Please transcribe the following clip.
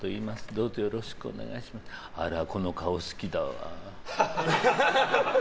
どうぞよろしくお願いしますってあら、この顔好きだわって。